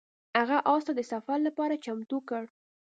هغه اس ته د سفر لپاره چمتو کړ.